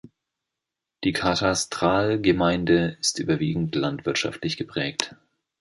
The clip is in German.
Die Katastralgemeinde ist überwiegend landwirtschaftlich geprägt.